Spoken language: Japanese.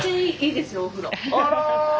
あら。